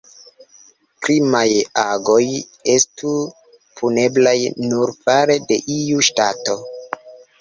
Krimaj agoj estu puneblaj nur fare de iu ŝtato.